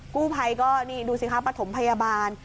กู้ภัยก็นี่ดูสิคะประถมพยาบาล